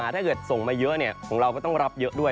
ถ้าเกิดส่งมาเยอะของเราก็ต้องรับเยอะด้วย